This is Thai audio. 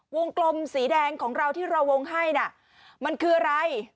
กลมสีแดงของเราที่เราวงให้น่ะมันคืออะไร